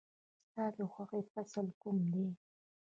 ستا د خوښې فصل کوم دی؟